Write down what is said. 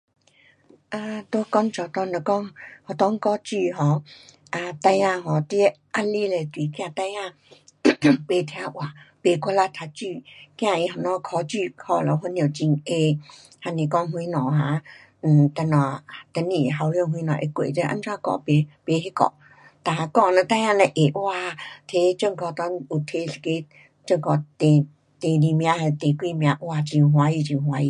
呃，在工作内若讲学堂教书 um 啊，孩儿 um 你的压力嘞就是怕孩儿 不听话，不努力读书，怕他明天考书考了分数很矮，还是讲什么哈，呃，等下上面校长什么会怪你怎样教不，不那个，教了若孩儿若会，哇，拿全国内有拿一个全国第，第二名还是第几名，哇，很欢喜，很欢喜。